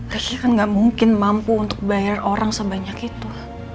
kasih kan gak mungkin mampu untuk bayar orang sebanyak itu